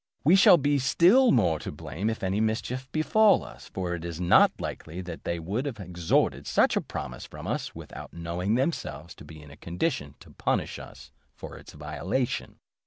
We shall be still more to blame, if any mischief befall us; for it is not likely that they would have extorted such a promise from us, without knowing themselves to be in a condition to punish us for its violation."